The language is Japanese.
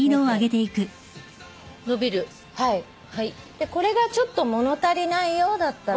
でこれがちょっと物足りないようだったら。